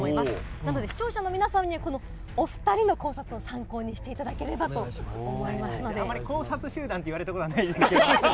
なので視聴者の皆様にはこのお２人の考察を参考にしていただけれあんまり考察集団って言われたことはないですけれども。